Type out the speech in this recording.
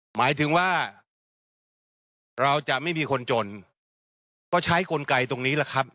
หมายถึงว่าเราจะไม่มีคนจนก็ใช้กลไกตรงนี้แหละครับ